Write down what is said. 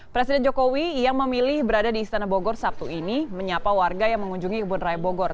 presiden jokowi yang memilih berada di istana bogor sabtu ini menyapa warga yang mengunjungi kebun raya bogor